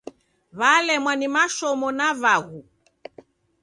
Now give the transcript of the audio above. W'alemwa ni mashomo na vaghu.